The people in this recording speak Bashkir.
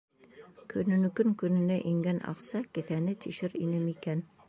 Көнөнөкөн көнөнә ингән аҡса кеҫәне тишер инеме икән?